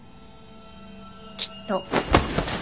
きっと。